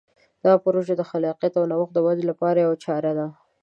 دا پروژه د خلاقیت او نوښت د ودې لپاره یوه چاره ده.